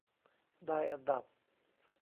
ได้อันดับ